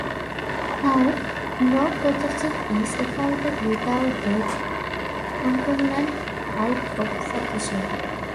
Now, no coadjutor is appointed without the concomitant right of succession.